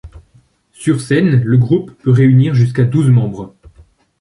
Sur scène, le groupe peut réunir jusqu'à douze membres.